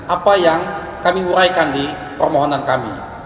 apa yang kami uraikan di permohonan kami